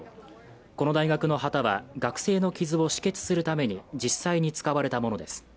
この大学の旗は学生の傷を止血するために、実際に使われたものです。